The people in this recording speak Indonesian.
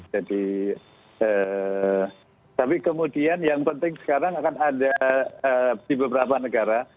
jadi tapi kemudian yang penting sekarang akan ada di beberapa negara